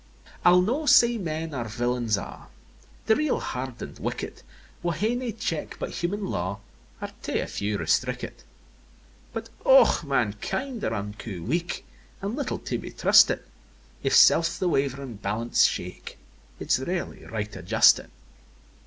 III. I'll no say men are villains a'; The real, harden'd wicked, Wha hae nae check but human law, Are to a few restricked; But, och! mankind are unco weak, An' little to be trusted; If self the wavering balance shake, It's rarely right adjusted!